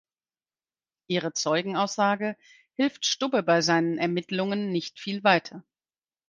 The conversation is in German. Ihre Zeugenaussage hilft Stubbe bei seinen Ermittlungen nicht viel weiter.